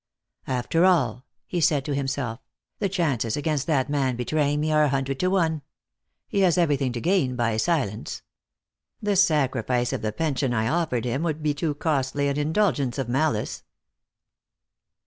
"After all," he said to himself, "the chances against that man betraying me are a hundred to one. He has everything to gain by silence. The sacrifice of the pension I offered him would be too costly an indulgence of malice."